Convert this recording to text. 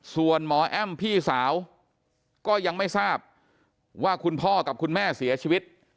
ส่วนหมอแอ้มพี่สาวก็ยังไม่ทราบว่าคุณพ่อกับคุณแม่เสียชีวิต